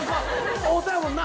会うたやもんな。